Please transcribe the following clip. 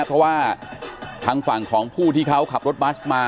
เพราะว่าทางฝั่งของผู้ที่เขาขับรถบัสมา